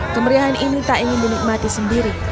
kemeriahan ini tak ingin dinikmati sendiri